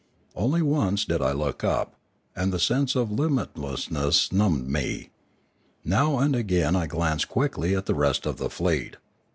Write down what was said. Only once did I look up; and the sense of limitlessness numbed me. Now and again I glanced quickly at the rest of the fleet.